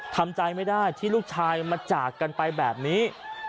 ทำใจไม่ได้ที่ลูกชายมาจากกันไปแบบนี้